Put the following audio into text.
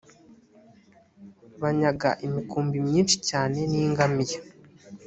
banyaga imikumbi myinshi cyane n’ingamiya